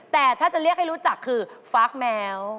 แต่ถ้าจะเรียกให้รู้จักคือฟาร์กแมว